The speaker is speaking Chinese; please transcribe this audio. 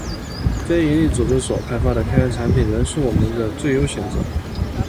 非营利组织所开发的开源产品，仍是我们最优的选择